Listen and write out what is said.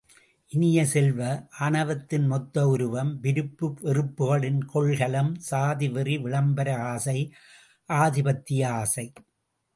இனிய செல்வ, ஆணவத்தின் மொத்த உருவம், விருப்பு வெறுப்புகளின் கொள்கலம், சாதி வெறி, விளம்பர ஆசை, ஆதிபத்திய ஆசை.